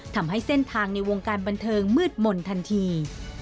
ทำให้เส้นทางในวงการบันเทิงมืดหม่นทันที